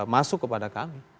masuk kepada kami